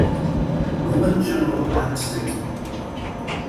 Roman general and statesman.